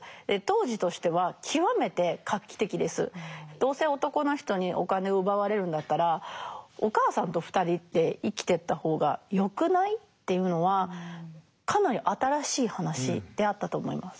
どうせ男の人にお金を奪われるんだったらお母さんと２人で生きてった方がよくない？っていうのはかなり新しい話であったと思います。